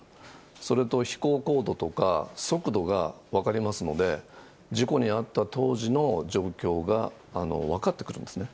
それと飛行高度とか、速度が分かりますので、事故に遭った当時の状況が分かってくるんですね。